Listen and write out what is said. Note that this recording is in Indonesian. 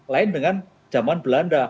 lain dengan zaman belanda